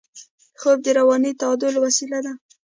خوب د رواني تعادل وسیله ده